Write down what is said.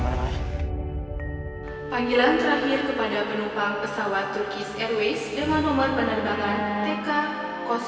terima kasih ya pak